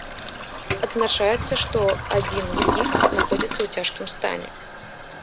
Адзначаецца, што адзін з іх знаходзіцца ў цяжкім стане.